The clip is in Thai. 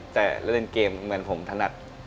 แต่เล่นเกมเหมือนผมถนัด